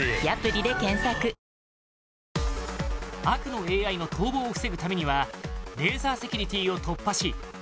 悪のＡＩの逃亡を防ぐためにはレーザーセキュリティを突破し